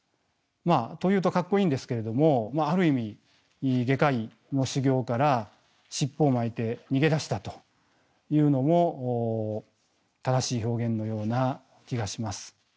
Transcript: と言うとかっこいいんですけれどもある意味外科医の修業から尻尾を巻いて逃げ出したというのも正しい表現のような気がします。